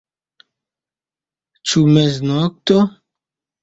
Ĉu meznokto?